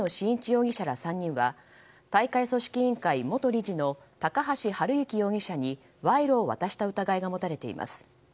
容疑者ら３人は大会組織委員会元理事の高橋治之容疑者に賄賂を渡した疑いが持たれています。